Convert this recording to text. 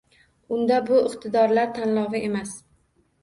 Unda bu iqtidorlar tanlovi emas